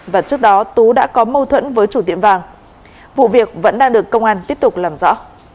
và trước đó tú đã có mâu thuẫn với chủ tiệm vàng vụ việc vẫn đang được công an tiếp tục làm rõ